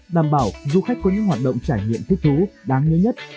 đảm bảo du khách có những hoạt động trải nghiệm thích thú đáng nhớ nhất